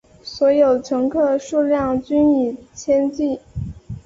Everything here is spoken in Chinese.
所有乘客数量均以千计。